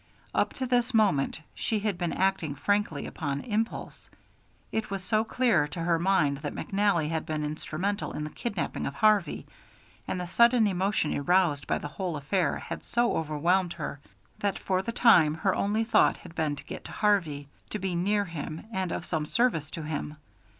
Up to this moment she had been acting frankly upon impulse. It was so clear to her mind that McNally had been instrumental in the kidnapping of Harvey, and the sudden emotion aroused by the whole affair had so overwhelmed her, that for the time her only thought had been to get to Harvey, to be near him and of some service to him.